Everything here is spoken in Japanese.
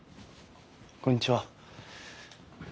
こんにちは。